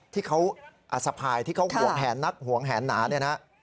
ที่เขาอสภายที่เขาห่วงแหนนักหวงแหนหนาเนี่ยนะ